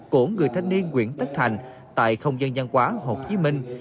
của người thanh niên nguyễn tất thành tại không gian quá hồ chí minh